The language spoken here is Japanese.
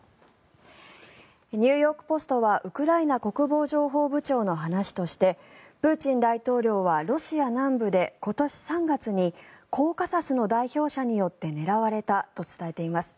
ニューヨーク・ポストはウクライナ国防情報部長の話としてプーチン大統領はロシア南部で今年３月にコーカサスの代表者によって狙われたと伝えています。